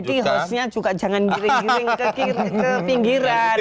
jadi hostnya juga jangan miring miring ke pinggiran